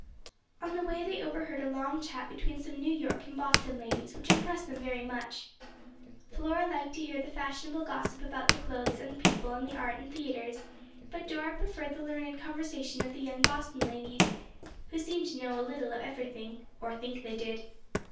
On the way they overheard a long chat between some New York and Boston ladies which impressed them very much. Flora liked to hear the fashionable gossip about clothes and people and art and theatres, but Dora preferred the learned conversation of the young Boston ladies, who seemed to know a little of everything, or think they did.